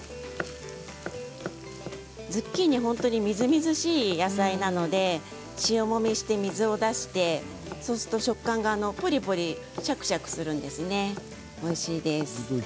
ズッキーニ、本当にみずみずしい野菜なので塩もみして水を出してそうすると食感がプリプリ、シャクシャクするんですね。